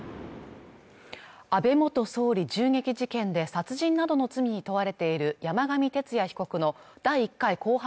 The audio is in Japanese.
安倍元総理銃撃事件で殺人などの罪に問われている山上徹也被告の第１回公判